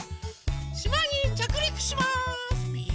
しまにちゃくりくします！